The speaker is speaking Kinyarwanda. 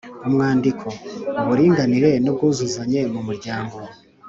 Umwandiko: Uburinganire n’ubwuzuzanye mu muryango